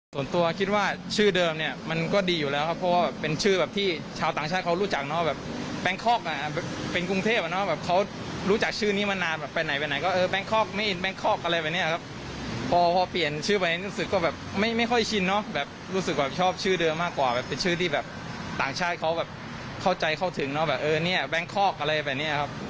ส่วนตัวคิดว่าชื่อเดิมเนี้ยมันก็ดีอยู่แล้วครับเพราะว่าแบบเป็นชื่อแบบที่ชาวต่างชาติเขารู้จักเนอะแบบแบงคอร์กเป็นกรุงเทพเนอะแบบเขารู้จักชื่อนี้มานานแบบไปไหนไปไหนก็เออแบงคอร์กไม่เอ็นแบงคอร์กอะไรแบบเนี้ยครับพอพอเปลี่ยนชื่อแบบนี้รู้สึกว่าแบบไม่ไม่ค่อยชินเนอะแบบรู้สึกแบบชอบชื่